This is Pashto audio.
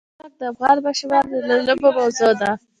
جلګه د افغان ماشومانو د لوبو موضوع ده.